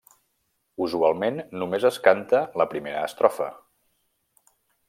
Usualment només es canta la primera estrofa.